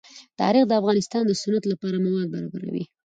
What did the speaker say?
تاریخ د افغانستان د صنعت لپاره مواد برابروي.